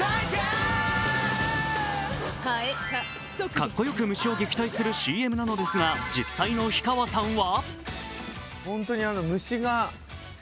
かっこよく虫を撃退するＣＭなのですが実際の氷川さんは？